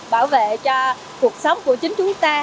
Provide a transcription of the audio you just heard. bảo vệ cho cuộc sống của chính chúng ta